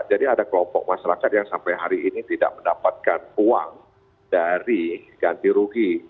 jadi ada kelompok masyarakat yang sampai hari ini tidak mendapatkan uang dari ganti rugi